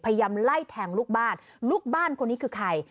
พยายามไล่แทงลูกบ้านลูกบ้านคนนี้คือใคร